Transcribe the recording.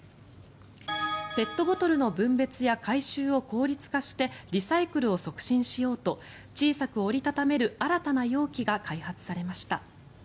ペットボトルの分別や回収を効率化してリサイクルを促進しようと小さく折り畳める新たな容器が開発されました。